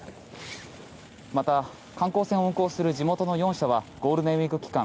また、観光船を運航する地元の４社はゴールデンウィーク期間